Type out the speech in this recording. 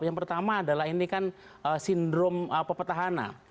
yang pertama adalah ini kan sindrom petahana